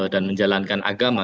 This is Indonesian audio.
dan menjalankan agama